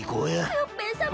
クヨッペンさま。